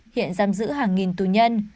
hiện giam giữ hàng nghìn tù nhân